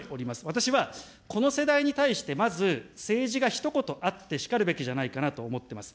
私はこの世代に対してまず、政治がひと言あってしかるべきじゃないかなと思っております。